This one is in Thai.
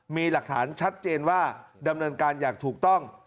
มีหลักฐานชัดเจนว่าดำเนินการอย่างถูกต้อง